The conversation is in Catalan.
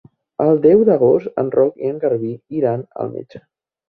El deu d'agost en Roc i en Garbí iran al metge.